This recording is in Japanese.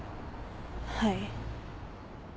はい。